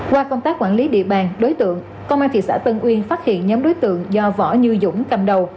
qua công tác quản lý địa bàn đối tượng công an thị xã tân uyên phát hiện nhóm đối tượng do võ như dũng cầm đầu